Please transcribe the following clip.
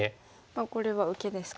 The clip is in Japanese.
これは受けですか。